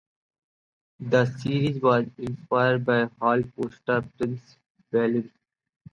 The series was inspired by Hal Foster's "Prince Valiant".